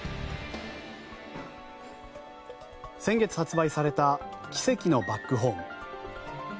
先月発売された「奇跡のバックホーム」。